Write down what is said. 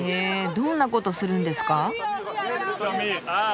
どんなことするんですか？